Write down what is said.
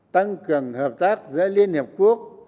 tăng cường hợp tác giữa liên hiệp quốc